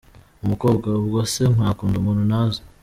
Umukobwa : Ubwo se nakunda umuntu ntazi ?.